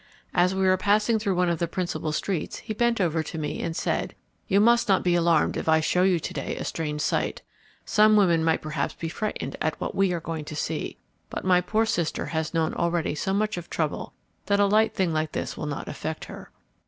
As we were passing through one of the principal streets he bent over to me and said, "You must not be alarmed if I show you to day a strange sight. Some women might perhaps be frightened at what we are going to see; but my poor sister has known already so much of trouble that a light thing like this will not affect her."